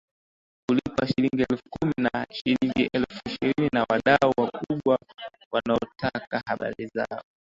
kulipwa Shilingi elfu kumi au Shilingi elfu ishilini na wadau wakubwa wanaotaka habari zao